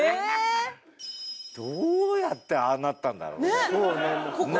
どうやってああなったんだろうね？